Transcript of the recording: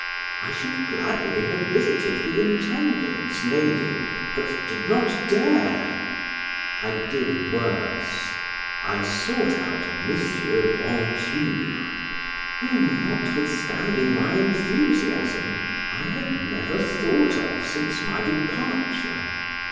I should gladly have visited the intendant's lady, but did not dare; I did worse, I sought out M. Venture, whom (notwithstanding my enthusiasm) I had never thought of since my departure.